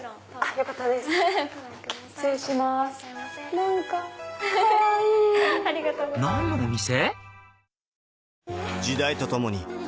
何のお店？